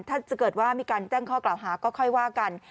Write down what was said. ถ้าจะเกิดว่ามีการแจ้งข้อกล่าวหาก็ค่อยว่ากัน